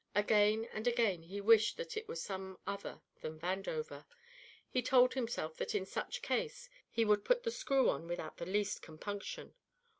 Again and again he wished that it was some other than Vandover; he told himself that in such case he would put the screw on without the least compunction.